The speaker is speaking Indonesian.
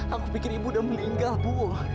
aku pikir ibu udah meninggal bu